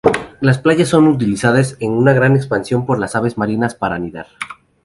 Las playas son utilizadas en una gran extensión por las aves marinas para anidar.